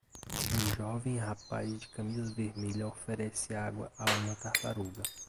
Um jovem rapaz de camisa vermelha oferece água a uma tartaruga.